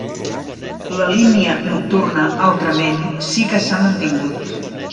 La línia nocturna, altrament, sí que s'ha mantingut.